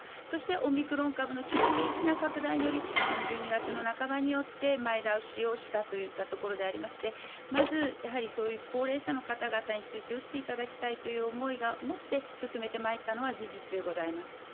そしてオミクロン株の急激な拡大により、１２月の半ばによって前倒しをしたというところでありまして、まずやはりそういう高齢者の方々について打っていただきたいという思いを持って進めてまいったのは事実でございます。